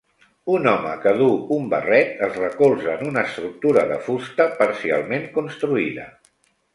Un home que duu un barret es recolza en una estructura de fusta parcialment construïda.